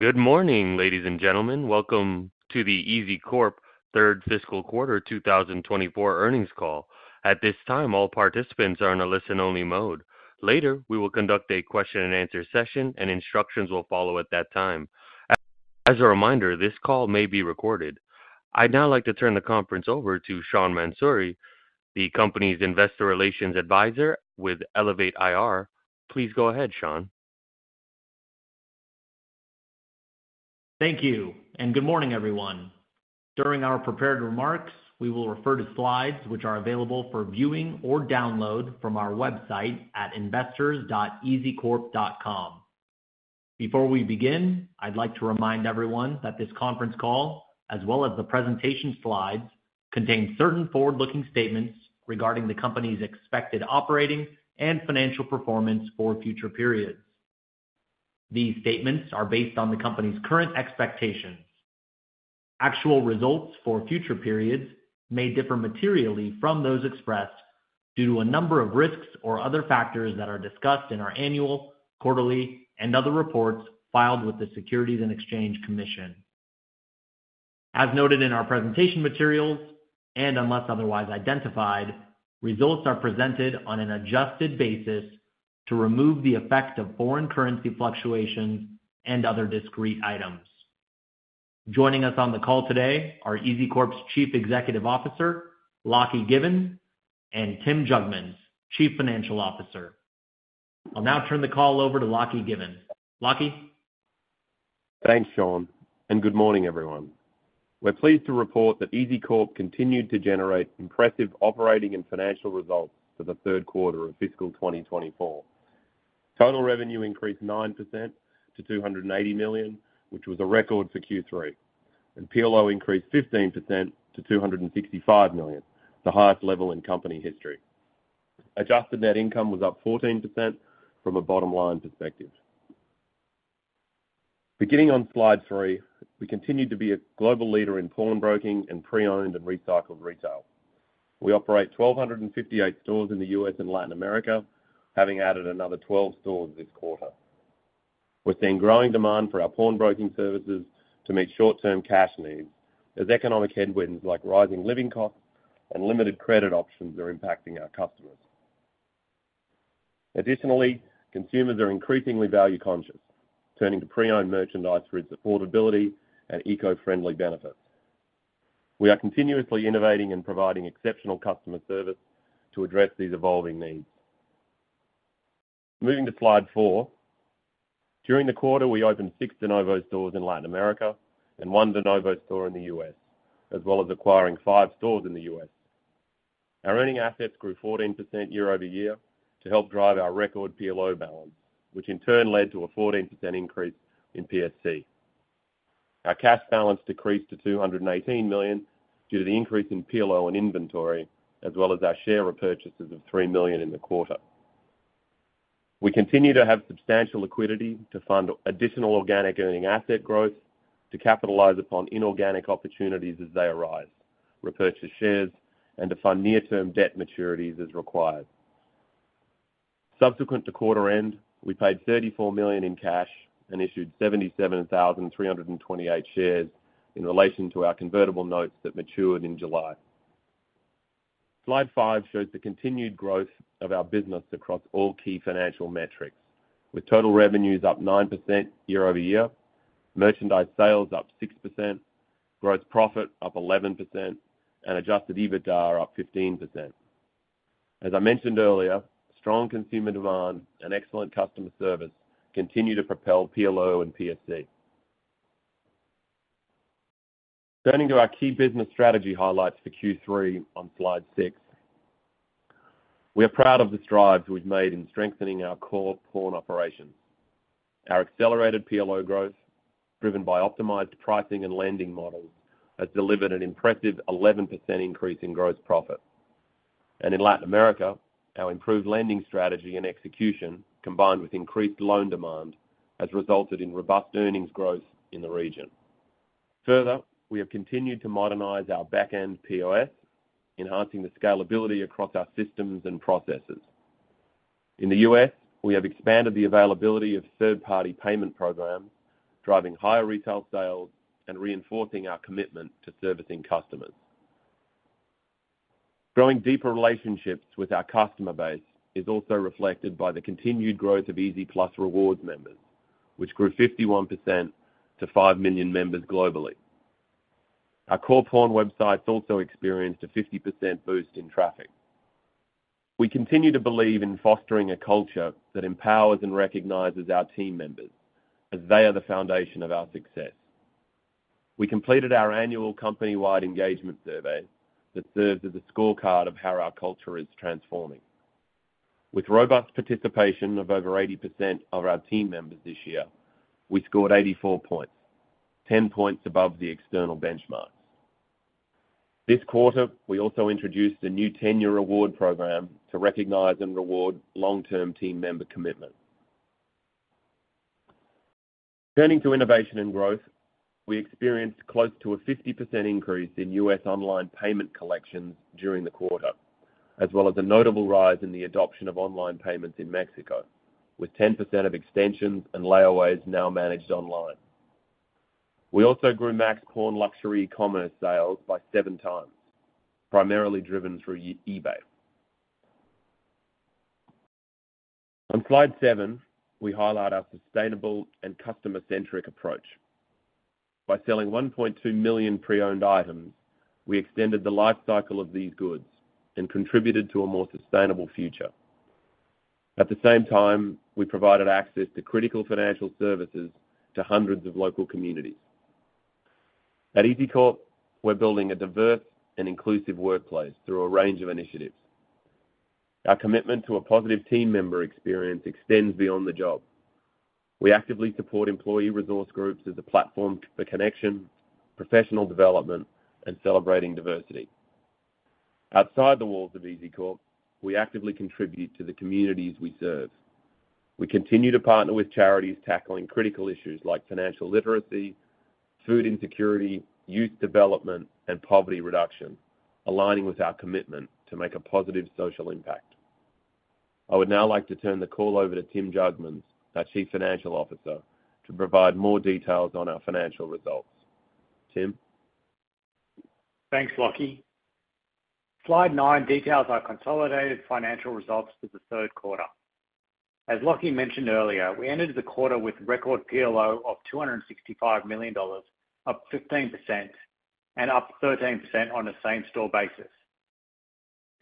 Good morning, ladies and gentlemen. Welcome to the EZCORP third fiscal quarter 2024 earnings call. At this time, all participants are in a listen-only mode. Later, we will conduct a question-and-answer session, and instructions will follow at that time. As a reminder, this call may be recorded. I'd now like to turn the conference over to Sean Mansouri, the company's investor relations advisor with Elevate IR. Please go ahead, Sean. Thank you, and good morning, everyone. During our prepared remarks, we will refer to slides which are available for viewing or download from our website at investors.ezcorp.com. Before we begin, I'd like to remind everyone that this conference call, as well as the presentation slides, contain certain forward-looking statements regarding the company's expected operating and financial performance for future periods. These statements are based on the company's current expectations. Actual results for future periods may differ materially from those expressed due to a number of risks or other factors that are discussed in our annual, quarterly, and other reports filed with the Securities and Exchange Commission. As noted in our presentation materials, and unless otherwise identified, results are presented on an adjusted basis to remove the effect of foreign currency fluctuations and other discrete items. Joining us on the call today are EZCORP's Chief Executive Officer, Lachy Given, and Tim Jugmans, Chief Financial Officer. I'll now turn the call over to Lachy Given. Lachy? Thanks, Sean, and good morning, everyone. We're pleased to report that EZCORP continued to generate impressive operating and financial results for the third quarter of fiscal 2024. Total revenue increased 9% to $280 million, which was a record for Q3, and PLO increased 15% to $265 million, the highest level in company history. Adjusted net income was up 14% from a bottom-line perspective. Beginning on slide three, we continue to be a global leader in pawnbroking and pre-owned and recycled retail. We operate 1,258 stores in the U.S. and Latin America, having added another 12 stores this quarter. We're seeing growing demand for our pawnbroking services to meet short-term cash needs as economic headwinds like rising living costs and limited credit options are impacting our customers. Additionally, consumers are increasingly value-conscious, turning to pre-owned merchandise for its affordability and eco-friendly benefits. We are continuously innovating and providing exceptional customer service to address these evolving needs. Moving to slide four, during the quarter, we opened six de novo stores in Latin America and one de novo store in the U.S., as well as acquiring 5 stores in the U.S. Our earning assets grew 14% year-over-year to help drive our record PLO balance, which in turn led to a 14% increase in PSC. Our cash balance decreased to $218 million due to the increase in PLO and inventory, as well as our share purchases of $3 million in the quarter. We continue to have substantial liquidity to fund additional organic earning asset growth, to capitalize upon inorganic opportunities as they arise, repurchase shares, and to fund near-term debt maturities as required. Subsequent to quarter-end, we paid $34 million in cash and issued 77,328 shares in relation to our convertible notes that matured in July. Slide five shows the continued growth of our business across all key financial metrics, with total revenues up 9% year-over-year, merchandise sales up 6%, gross profit up 11%, and adjusted EBITDA up 15%. As I mentioned earlier, strong consumer demand and excellent customer service continue to propel PLO and PSC. Turning to our key business strategy highlights for Q3 on slide six, we are proud of the strides we've made in strengthening our core pawn operations. Our accelerated PLO growth, driven by optimized pricing and lending models, has delivered an impressive 11% increase in gross profit. And in Latin America, our improved lending strategy and execution, combined with increased loan demand, has resulted in robust earnings growth in the region. Further, we have continued to modernize our back-end POS, enhancing the scalability across our systems and processes. In the U.S., we have expanded the availability of third-party payment programs, driving higher retail sales and reinforcing our commitment to servicing customers. Growing deeper relationships with our customer base is also reflected by the continued growth of EZ Plus Rewards members, which grew 51% to 5 million members globally. Our core pawn website's also experienced a 50% boost in traffic. We continue to believe in fostering a culture that empowers and recognizes our team members, as they are the foundation of our success. We completed our annual company-wide engagement survey that serves as a scorecard of how our culture is transforming. With robust participation of over 80% of our team members this year, we scored 84 points, 10 points above the external benchmarks. This quarter, we also introduced a new tenure reward program to recognize and reward long-term team member commitment. Turning to innovation and growth, we experienced close to a 50% increase in U.S. online payment collections during the quarter, as well as a notable rise in the adoption of online payments in Mexico, with 10% of extensions and layaways now managed online. We also grew Max Pawn Luxury e-commerce sales by 7x, primarily driven through eBay. On slide seven, we highlight our sustainable and customer-centric approach. By selling 1.2 million pre-owned items, we extended the lifecycle of these goods and contributed to a more sustainable future. At the same time, we provided access to critical financial services to 100s of local communities. At EZCORP, we're building a diverse and inclusive workplace through a range of initiatives. Our commitment to a positive team member experience extends beyond the job. We actively support employee resource groups as a platform for connection, professional development, and celebrating diversity. Outside the walls of EZCORP, we actively contribute to the communities we serve. We continue to partner with charities tackling critical issues like financial literacy, food insecurity, youth development, and poverty reduction, aligning with our commitment to make a positive social impact. I would now like to turn the call over to Tim Jugmans, our Chief Financial Officer, to provide more details on our financial results. Tim? Thanks, Lachy. Slide nine details our consolidated financial results for the third quarter. As Lachy mentioned earlier, we ended the quarter with record PLO of $265 million, up 15%, and up 13% on a same-store basis.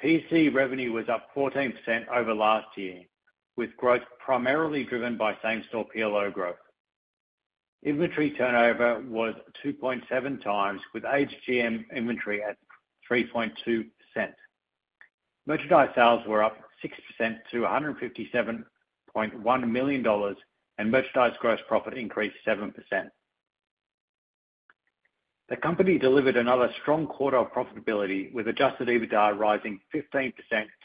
PSC revenue was up 14% over last year, with growth primarily driven by same-store PLO growth. Inventory turnover was 2.7x, with AGM inventory at 3.2%. Merchandise sales were up 6% to $157.1 million, and merchandise gross profit increased 7%. The company delivered another strong quarter of profitability, with adjusted EBITDA rising 15%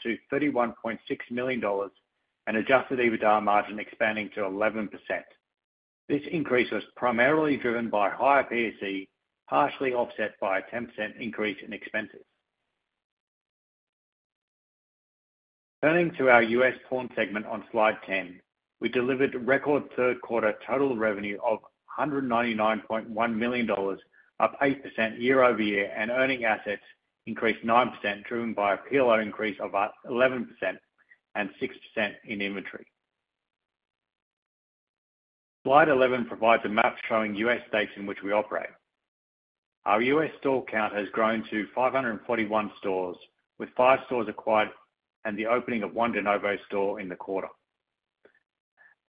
to $31.6 million and adjusted EBITDA margin expanding to 11%. This increase was primarily driven by higher PSC, partially offset by a 10% increase in expenses. Turning to our U.S. pawn segment on slide 10, we delivered record third-quarter total revenue of $199.1 million, up 8% year-over-year, and earning assets increased 9%, driven by a PLO increase of 11% and 6% in inventory. Slide 11 provides a map showing U.S. states in which we operate. Our U.S. store count has grown to 541 stores, with five stores acquired and the opening of one de novo store in the quarter.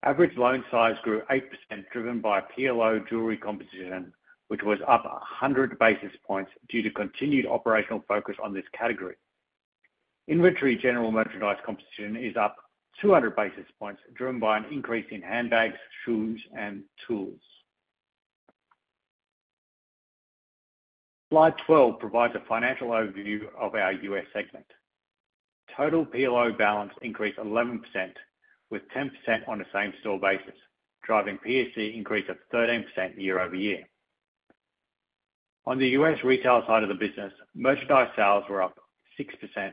Average loan size grew 8%, driven by PLO jewelry composition, which was up 100 basis points due to continued operational focus on this category. Inventory general merchandise composition is up 200 basis points, driven by an increase in handbags, shoes, and tools. Slide 12 provides a financial overview of our U.S. segment. Total PLO balance increased 11%, with 10% on a same-store basis, driving PSC increase of 13% year-over-year. On the U.S. retail side of the business, merchandise sales were up 6%,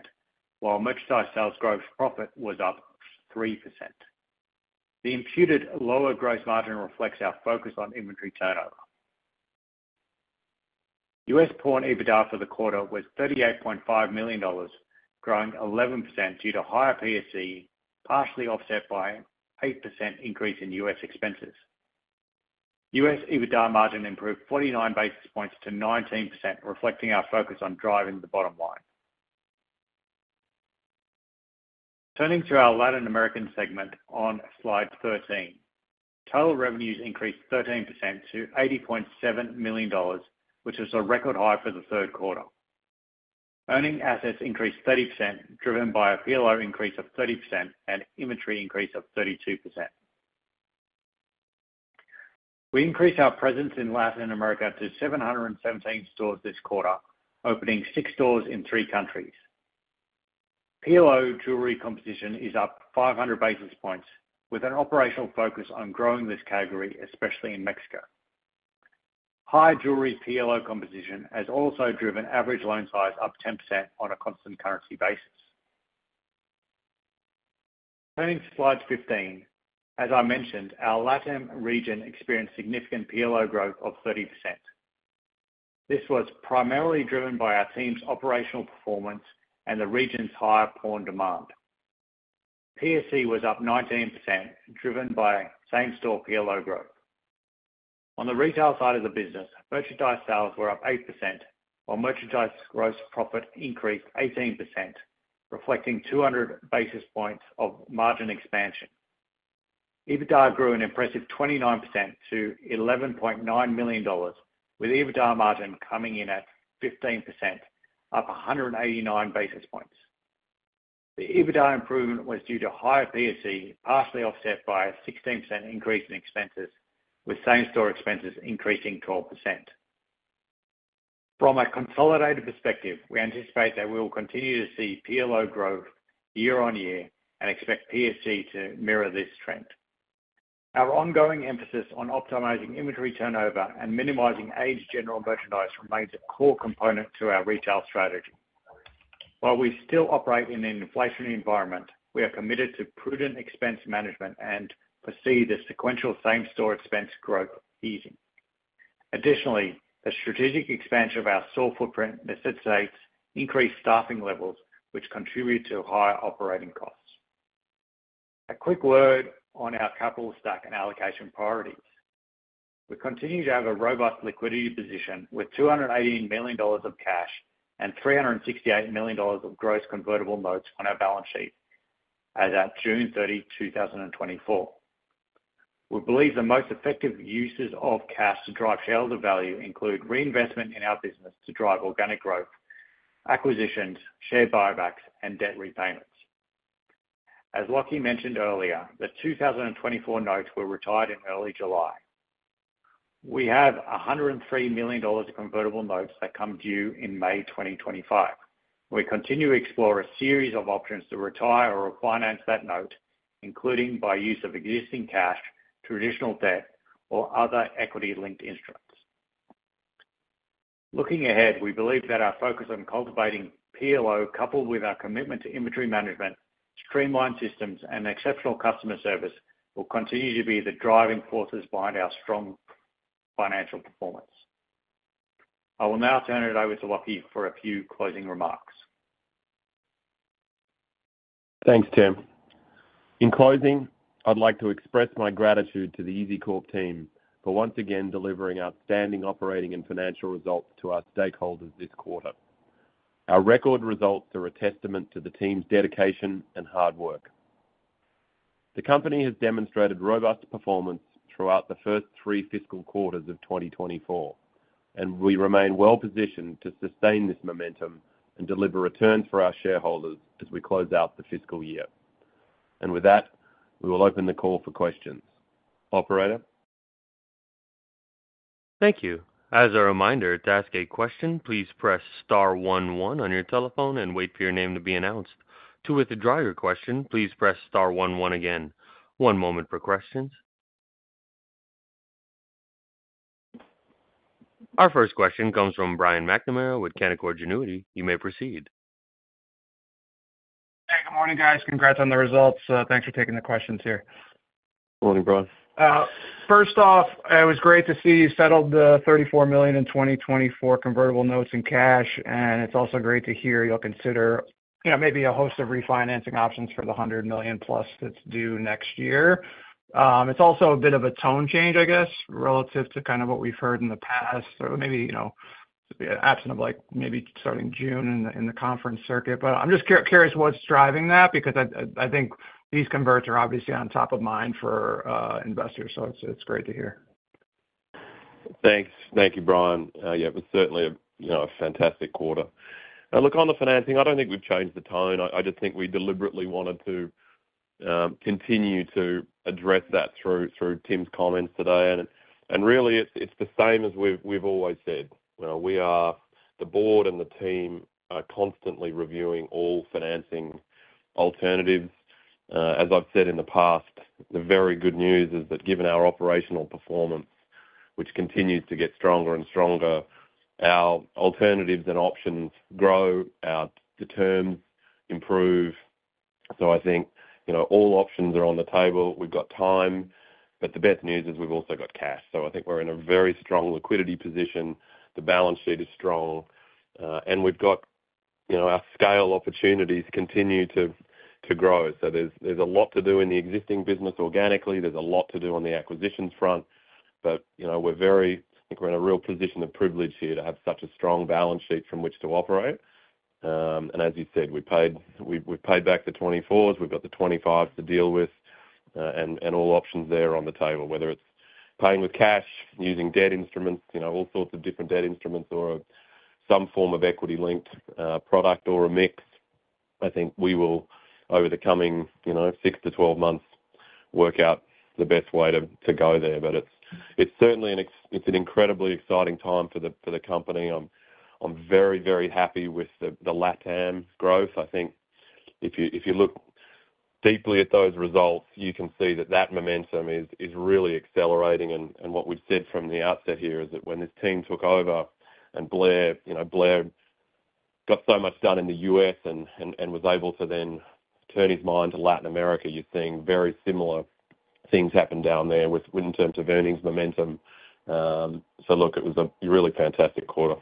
while merchandise sales gross profit was up 3%. The imputed lower gross margin reflects our focus on inventory turnover. U.S. pawn EBITDA for the quarter was $38.5 million, growing 11% due to higher PSC, partially offset by an 8% increase in U.S. expenses. U.S. EBITDA margin improved 49 basis points to 19%, reflecting our focus on driving the bottom line. Turning to our Latin American segment on slide 13, total revenues increased 13% to $80.7 million, which was a record high for the third quarter. Earning assets increased 30%, driven by a PLO increase of 30% and inventory increase of 32%. We increased our presence in Latin America to 717 stores this quarter, opening six stores in three countries. PLO jewelry composition is up 500 basis points, with an operational focus on growing this category, especially in Mexico. High jewelry PLO composition has also driven average loan size up 10% on a constant currency basis. Turning to slide 15, as I mentioned, our Latin region experienced significant PLO growth of 30%. This was primarily driven by our team's operational performance and the region's higher pawn demand. PSC was up 19%, driven by same-store PLO growth. On the retail side of the business, merchandise sales were up 8%, while merchandise gross profit increased 18%, reflecting 200 basis points of margin expansion. EBITDA grew an impressive 29% to $11.9 million, with EBITDA margin coming in at 15%, up 189 basis points. The EBITDA improvement was due to higher PSC, partially offset by a 16% increase in expenses, with same-store expenses increasing 12%. From a consolidated perspective, we anticipate that we will continue to see PLO growth year-on-year and expect PSC to mirror this trend. Our ongoing emphasis on optimizing inventory turnover and minimizing aged general merchandise remains a core component to our retail strategy. While we still operate in an inflationary environment, we are committed to prudent expense management and foresee the sequential same-store expense growth easing. Additionally, the strategic expansion of our store footprint necessitates increased staffing levels, which contribute to higher operating costs. A quick word on our capital stack and allocation priorities. We continue to have a robust liquidity position with $218 million of cash and $368 million of gross convertible notes on our balance sheet as of June 30, 2024. We believe the most effective uses of cash to drive shares of value include reinvestment in our business to drive organic growth, acquisitions, share buybacks, and debt repayments. As Lachy mentioned earlier, the 2024 notes were retired in early July. We have $103 million of convertible notes that come due in May 2025. We continue to explore a series of options to retire or refinance that note, including by use of existing cash, traditional debt, or other equity-linked instruments. Looking ahead, we believe that our focus on cultivating PLO, coupled with our commitment to inventory management, streamlined systems, and exceptional customer service, will continue to be the driving forces behind our strong financial performance. I will now turn it over to Lachy for a few closing remarks. Thanks, Tim. In closing, I'd like to express my gratitude to the EZCORP team for once again delivering outstanding operating and financial results to our stakeholders this quarter. Our record results are a testament to the team's dedication and hard work. The company has demonstrated robust performance throughout the first three fiscal quarters of 2024, and we remain well-positioned to sustain this momentum and deliver returns for our shareholders as we close out the fiscal year. And with that, we will open the call for questions. Operator? Thank you. As a reminder, to ask a question, please press star 11 on your telephone and wait for your name to be announced. To withdraw your question, please press star 11 again. One moment for questions. Our first question comes from Brian McNamara with Canaccord Genuity. You may proceed. Hey, good morning, guys. Congrats on the results. Thanks for taking the questions here. Morning, Brian. First off, it was great to see you settled the $34 million in 2024 convertible notes in cash. It's also great to hear you'll consider maybe a host of refinancing options for the $100 million plus that's due next year. It's also a bit of a tone change, I guess, relative to kind of what we've heard in the past, or maybe absent of maybe starting June in the conference circuit. I'm just curious what's driving that, because I think these converts are obviously on top of mind for investors. It's great to hear. Thanks. Thank you, Brian. Yeah, it was certainly a fantastic quarter. Look, on the financing, I don't think we've changed the tone. I just think we deliberately wanted to continue to address that through Tim's comments today. And really, it's the same as we've always said. We are, the board and the team, are constantly reviewing all financing alternatives. As I've said in the past, the very good news is that given our operational performance, which continues to get stronger and stronger, our alternatives and options grow, our terms improve. So I think all options are on the table. We've got time. But the best news is we've also got cash. So I think we're in a very strong liquidity position. The balance sheet is strong. And we've got our scale opportunities continue to grow. So there's a lot to do in the existing business organically. There's a lot to do on the acquisitions front. But I think we're in a real position of privilege here to have such a strong balance sheet from which to operate. And as you said, we've paid back the 2024s. We've got the 2025s to deal with. And all options there are on the table, whether it's paying with cash, using debt instruments, all sorts of different debt instruments, or some form of equity-linked product or a mix. I think we will, over the coming six to 12 months, work out the best way to go there. But it's certainly an incredibly exciting time for the company. I'm very, very happy with the Latin growth. I think if you look deeply at those results, you can see that that momentum is really accelerating. What we've said from the outset here is that when this team took over and Blair got so much done in the U.S. and was able to then turn his mind to Latin America, you're seeing very similar things happen down there in terms of earnings momentum. So look, it was a really fantastic quarter.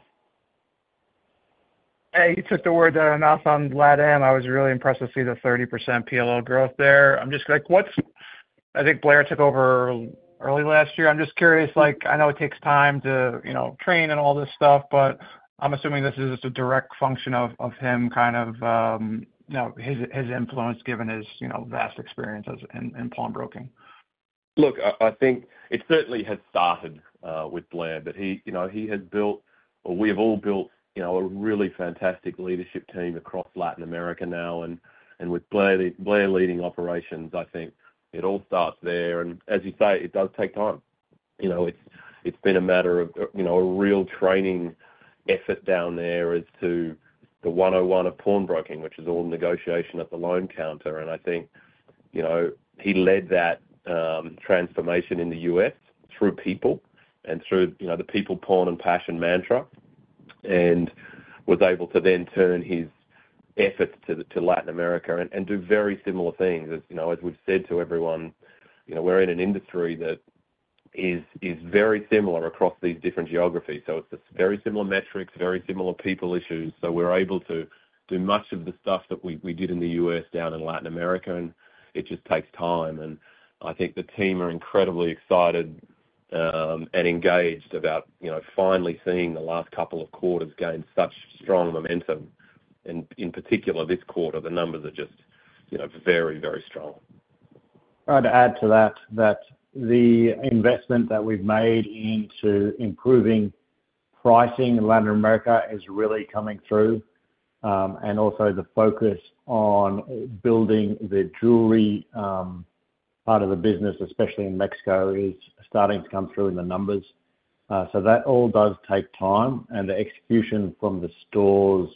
Hey, you took the word that I announced on Latin. I was really impressed to see the 30% PLO growth there. I think Blair took over early last year. I'm just curious. I know it takes time to train and all this stuff, but I'm assuming this is just a direct function of him, kind of his influence, given his vast experience in pawn broking. Look, I think it certainly has started with Blair. But he has built, or we have all built, a really fantastic leadership team across Latin America now. With Blair leading operations, I think it all starts there. As you say, it does take time. It's been a matter of a real training effort down there as to the 101 of pawn broking, which is all negotiation at the loan counter. I think he led that transformation in the U.S. through people and through the people, pawn, and passion mantra, and was able to then turn his efforts to Latin America and do very similar things. As we've said to everyone, we're in an industry that is very similar across these different geographies. It's very similar metrics, very similar people issues. We're able to do much of the stuff that we did in the U.S. down in Latin America. It just takes time. I think the team are incredibly excited and engaged about finally seeing the last couple of quarters gain such strong momentum. In particular, this quarter, the numbers are just very, very strong. I'd add to that that the investment that we've made into improving pricing in Latin America is really coming through. And also the focus on building the jewelry part of the business, especially in Mexico, is starting to come through in the numbers. So that all does take time. And the execution from the stores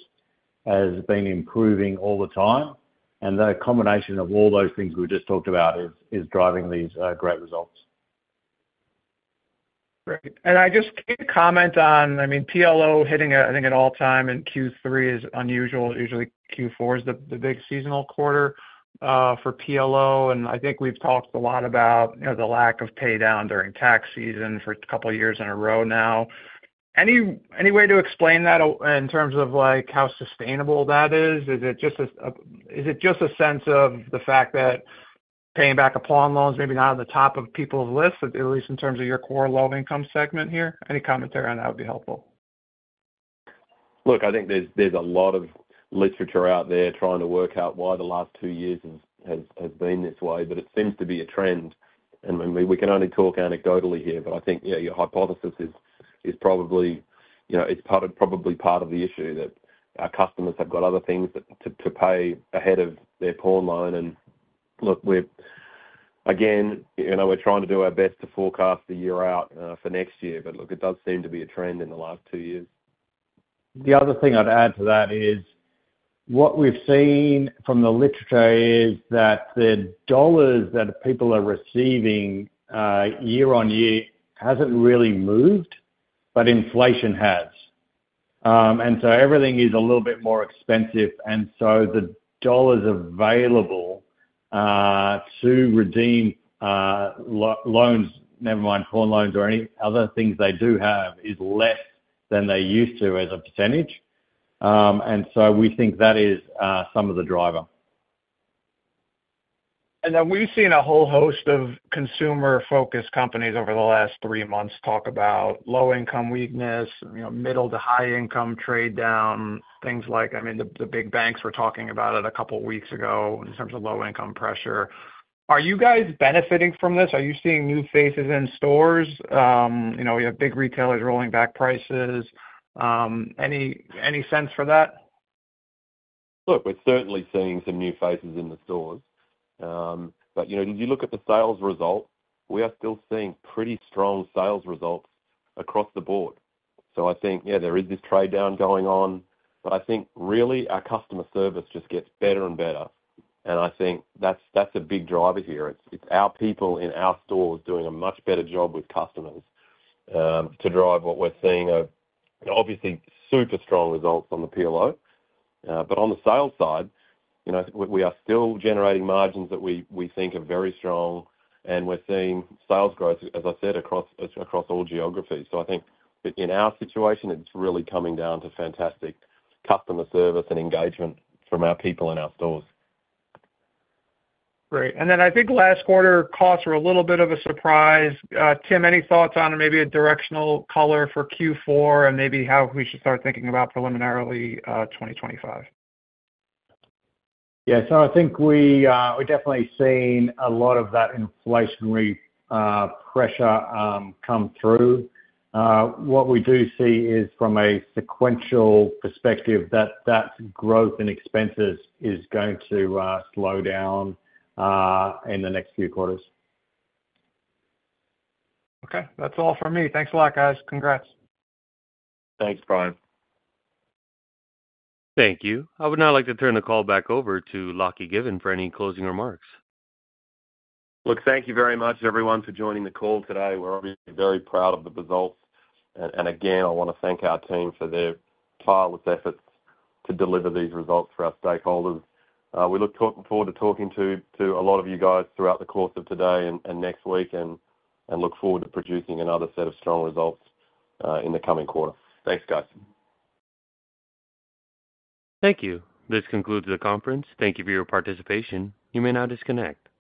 has been improving all the time. And the combination of all those things we just talked about is driving these great results. Great. I just comment on, I mean, PLO hitting, I think, an all-time high in Q3 is unusual. Usually, Q4 is the big seasonal quarter for PLO. I think we've talked a lot about the lack of paydown during tax season for a couple of years in a row now. Any way to explain that in terms of how sustainable that is? Is it just a sense of the fact that paying back pawn loans maybe not on the top of people's lists, at least in terms of your core low-income segment here? Any commentary on that would be helpful. Look, I think there's a lot of literature out there trying to work out why the last two years has been this way. It seems to be a trend. We can only talk anecdotally here. I think, yeah, your hypothesis is probably part of the issue that our customers have got other things to pay ahead of their pawn loan. Look, again, we're trying to do our best to forecast the year out for next year. Look, it does seem to be a trend in the last two years. The other thing I'd add to that is what we've seen from the literature is that the dollars that people are receiving year on year hasn't really moved, but inflation has. And so everything is a little bit more expensive. And so the dollars available to redeem loans, never mind pawn loans or any other things they do have, is less than they used to as a percentage. And so we think that is some of the driver. And then we've seen a whole host of consumer-focused companies over the last three months talk about low-income weakness, middle to high-income trade down, things like, I mean, the big banks were talking about it a couple of weeks ago in terms of low-income pressure. Are you guys benefiting from this? Are you seeing new faces in stores? We have big retailers rolling back prices. Any sense for that? Look, we're certainly seeing some new faces in the stores. But if you look at the sales result, we are still seeing pretty strong sales results across the board. So I think, yeah, there is this trade down going on. But I think really our customer service just gets better and better. And I think that's a big driver here. It's our people in our stores doing a much better job with customers to drive what we're seeing of obviously super strong results on the PLO. But on the sales side, we are still generating margins that we think are very strong. And we're seeing sales growth, as I said, across all geographies. So I think in our situation, it's really coming down to fantastic customer service and engagement from our people in our stores. Great. And then I think last quarter costs were a little bit of a surprise. Tim, any thoughts on maybe a directional color for Q4 and maybe how we should start thinking about preliminarily 2025? Yeah. So I think we're definitely seeing a lot of that inflationary pressure come through. What we do see is from a sequential perspective that that growth in expenses is going to slow down in the next few quarters. Okay. That's all for me. Thanks a lot, guys. Congrats. Thanks, Brian. Thank you. I would now like to turn the call back over to Lachy Given for any closing remarks. Look, thank you very much, everyone, for joining the call today. We're obviously very proud of the results. Again, I want to thank our team for their tireless efforts to deliver these results for our stakeholders. We look forward to talking to a lot of you guys throughout the course of today and next week and look forward to producing another set of strong results in the coming quarter. Thanks, guys. Thank you. This concludes the conference. Thank you for your participation. You may now disconnect.